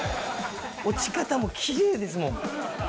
落ち方もきれいですもん。